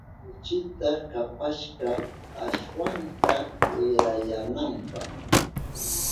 Kuchita kapashka ashwanta wirayananpa.